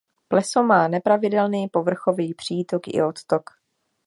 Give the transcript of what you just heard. Pleso má nepravidelný povrchový přítok i odtok.